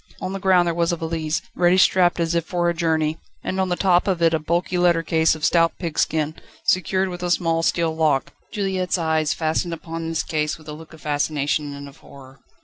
On the ground there was a valise, ready strapped as if for a journey, and on the top of it a bulky letter case of stout pigskin, secured with a small steel lock. Juliette's eyes fastened upon this case with a look of fascination and of horror.